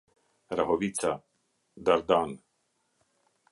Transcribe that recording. Rahovica, Dardanë